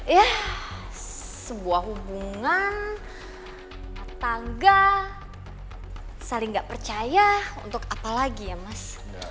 ya sebuah hubungan tangga saling gak percaya untuk apa lagi ya mas